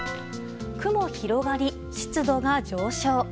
雲広がり、湿度が上昇。